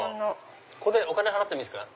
ここでお金払っていいですか？